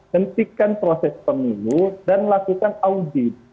hentikan proses pemilu dan lakukan audit